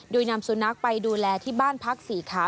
โดยนำสุนัขไปดูแลที่บ้านพักสี่ขา